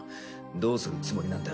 どうするつもりなんだ？